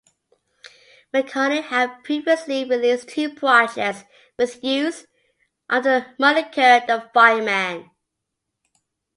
McCartney had previously released two projects with Youth under the moniker the Fireman.